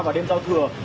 và đêm giao thừa